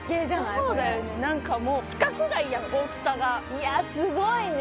これそうだよねなんかもう規格外やん大きさがいやすごいね！